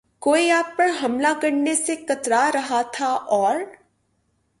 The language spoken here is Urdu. کوئی آپ پر حملہ کرنے سے کترا رہا تھا اور